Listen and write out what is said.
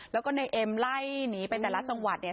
แล้วก็ในเอ็มไล่หนีไปแต่ละจังหวัดเนี่ย